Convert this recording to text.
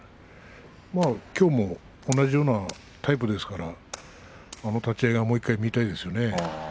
きょうも同じようなタイプですからあの立ち合いがもう１回見たいですね。